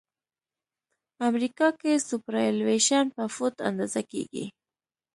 امریکا کې سوپرایلیویشن په فوټ اندازه کیږي